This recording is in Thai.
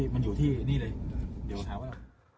มันอยู่ที่นี่เลยเดี๋ยวหาว่า